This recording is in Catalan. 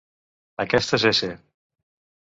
Aquestes s